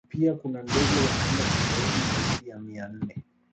Pia kuna ndege wa aina tofauti zaidi ya mia nne